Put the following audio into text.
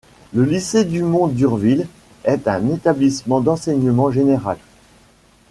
Le lycée Dumont-d'Urville est un établissement d'enseignement général.